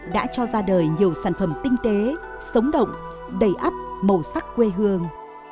đã cho ra đời nhiều sản phẩm tinh tế sống động đầy ấp màu sắc quê hương